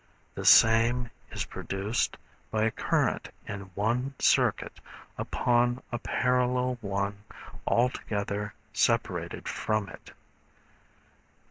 The same is produced by a current in one circuit upon a parallel one altogether separated from it.